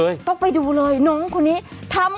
เยี่ยม